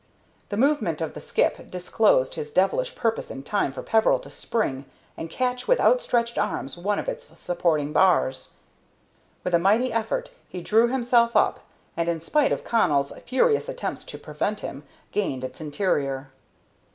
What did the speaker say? The movement of the skip disclosed his devilish purpose in time for Peveril to spring and catch with outstretched arms one of its supporting bars. With a mighty effort he drew himself up, and, in spite of Connell's furious attempts to prevent him, gained its interior.